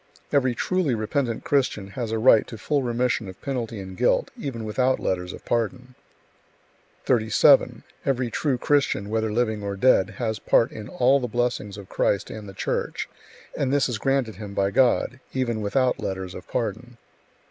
Every truly repentant Christian has a right to full remission of penalty and guilt, even without letters of pardon. 37. Every true Christian, whether living or dead, has part in all the blessings of Christ and the Church; and this is granted him by God, even without letters of pardon.